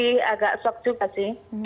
jadi agak shock juga sih